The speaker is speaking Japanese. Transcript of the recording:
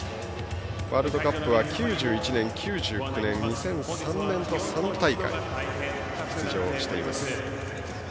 ワールドカップは９１年、９９年２００３年と３大会、出場しています。